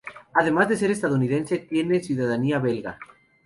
Además de ser estadounidense, tiene ciudadanía belga.